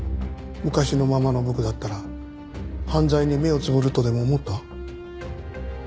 昔のままの僕だったら犯罪に目をつむるとでも思った？